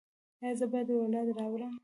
ایا زه باید اولاد راوړم؟